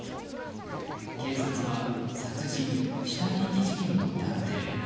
警察は殺人死体遺棄事件と断定。